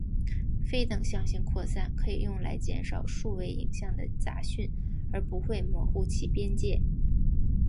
非等向性扩散可以用来减少数位影像的杂讯而不会模糊其边界。